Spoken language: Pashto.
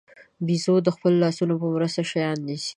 بیزو د خپلو لاسونو په مرسته شیان نیسي.